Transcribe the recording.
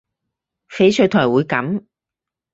翡翠台會噉